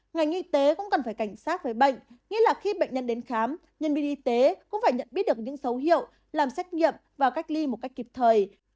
ngành y tế cũng cần phải cảnh sát với bệnh nghĩa là khi bệnh nhân đến khám nhân viên y tế cũng phải nhận biết được những dấu hiệu làm xét nghiệm và cách ly một cách kịp thời